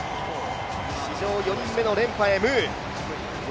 史上４人目の連覇へ、ムー。